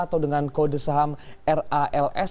atau dengan kode saham rals